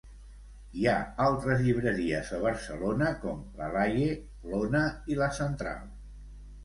Hi ha altres llibreries a Barcelona, com la Laie, l'Ona i La Central.